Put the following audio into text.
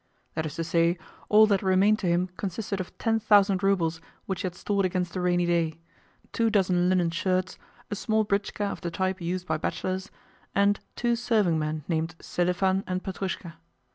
That is to say, all that remained to him consisted of ten thousand roubles which he had stored against a rainy day, two dozen linen shirts, a small britchka of the type used by bachelors, and two serving men named Selifan and Petrushka.